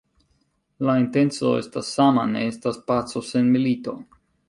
La intenco estas sama: ne estas paco sen milito.